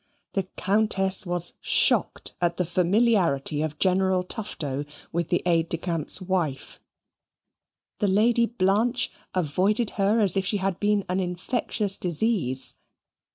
The Countess was shocked at the familiarity of General Tufto with the aide de camp's wife. The Lady Blanche avoided her as if she had been an infectious disease.